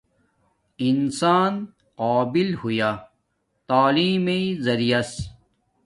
انسان قابل ہویا تعلیم مݵݵ زریعس